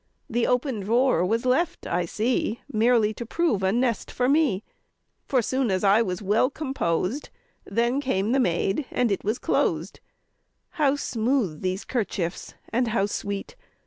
The open drawer was left, I see, Merely to prove a nest for me, For soon as I was well composed, Then came the maid, and it was closed, How smooth these 'kerchiefs, and how sweet!